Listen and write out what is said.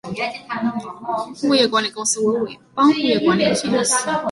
物业管理公司为伟邦物业管理有限公司。